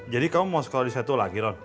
jadi kamu mau sekolah di setulah giron